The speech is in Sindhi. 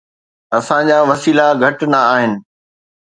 اسان جا وسيلا گهٽ نه آهن.